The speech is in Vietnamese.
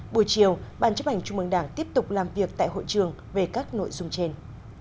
buổi chiều ban chấp hành trung mương đảng tiếp tục làm việc tại hội trường về các nội dung trên